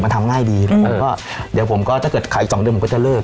มันทำง่ายดีแล้วมันก็เดี๋ยวผมก็ถ้าเกิดขายอีก๒เดือนผมก็จะเลิก